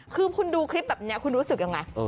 คือคุณดูคลิปแบบนี้คุณรู้สึกยังไง